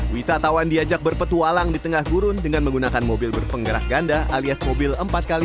wisatawan diajak berpetualang di tengah gurun dengan menggunakan mobil berpenggerak ganda alias mobil empat x dua